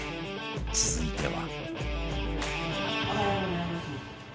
続いては